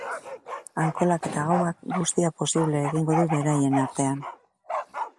Alkoholak eta gauak guztia posible egingo du beraien artean.